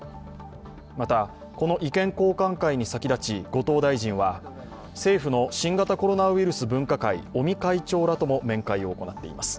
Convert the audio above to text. また、この意見交換会に先立ち、後藤大臣は政府の新型コロナウイルス分科会、尾身会長らとも面会を行っています。